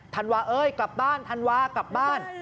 ธันวาเอ้ยกลับบ้านธันวากลับบ้าน